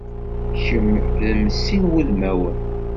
Kemm d mm sin wudmawen.